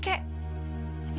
aku mau pergi